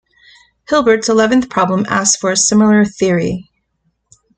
Hilbert's eleventh problem asks for a similar theory.